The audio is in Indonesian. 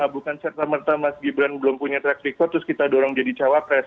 bukan serta merta mas gibran belum punya track record terus kita dorong jadi cawapres